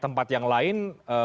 tempat yang lain